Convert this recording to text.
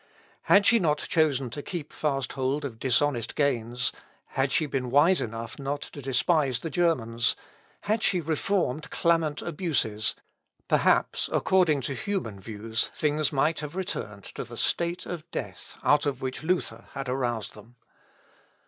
Had she not chosen to keep fast hold of dishonest gains had she been wise enough not to despise the Germans had she reformed clamant abuses perhaps, according to human views, things might have returned to the state of death out of which Luther had aroused them.